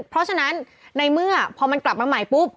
เพราะฉะนั้นในเมื่อพอมันกลับมาใหม่ปุ๊บ